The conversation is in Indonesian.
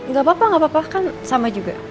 gak apa apa gak apa apa kan sama juga